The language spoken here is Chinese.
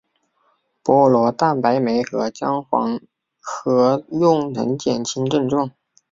菠萝蛋白酶与姜黄合用能减轻症状。